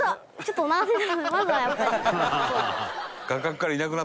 まずはやっぱり。